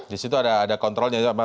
disitu ada kontrolnya